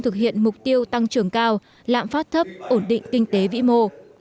thực hiện mục tiêu tăng trưởng cao lãm phát thấp ổn định kinh tế vĩ mô